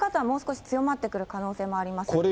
もう少し強まってくる可能性もあります。